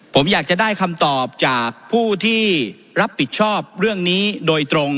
ผมอยากจะได้คำตอบจากผู้ที่รับผิดชอบเรื่องนี้โดยตรง